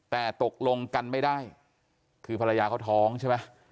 แต่ตกลงกันไม่ได้คือภรรยาเขาท้องใช่ไหม